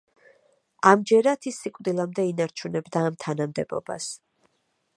ამჯერად, ის სიკვდილამდე ინარჩუნებდა ამ თანამდებობას.